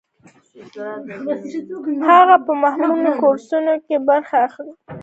هغه په مهمو کورسونو کې برخه اخلي.